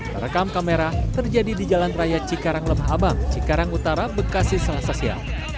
terekam kamera terjadi di jalan raya cikarang lemah abang cikarang utara bekasi selasa siang